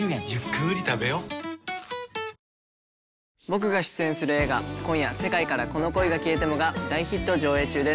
僕が出演する映画『今夜、世界からこの恋が消えても』が大ヒット上映中です。